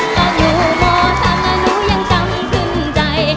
ก็หนูหม่อท่ามาหนูยังจำขึ้นใจ